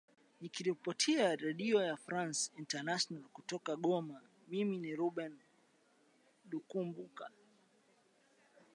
nikiripotia redio france international kutoka goma mimi ni reuben lukumbuka